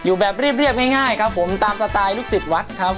อยู่แบบเรียบง่ายตามสไตล์ลูกศิษย์วัด